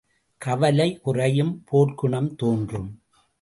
கவலை குறையும் போர்க்குணம் தோன்றும்!